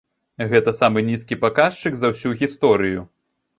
Гэта самы нізкі паказчык за ўсю гісторыю.